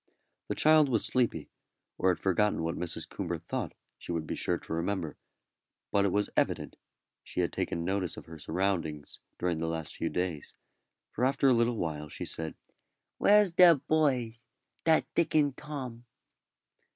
The child was sleepy, or had forgotten what Mrs. Coomber thought she would be sure to remember; but it was evident she had taken notice of her surroundings during the last few days, for after a little while she said, "Where's der boys dat Dick and Tom?"